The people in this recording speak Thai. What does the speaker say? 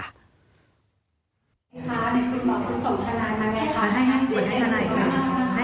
ถามว่าว่าวิ่งมันลูกไม่สะบากไม่เผย